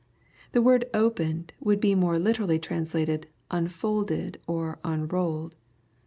] The word '* opened" would be more literally translated " unfolded," or " unrolled."